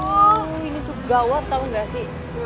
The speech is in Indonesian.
aduh ini tuh gawat tau gak sih